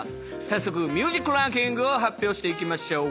早速ミュージックランキングを発表していきましょう。